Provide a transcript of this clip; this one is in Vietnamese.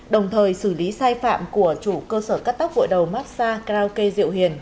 đồng thời xử lý sai phạm của chủ cơ sở cắt tóc gội đầu massage karaoke diệu hiền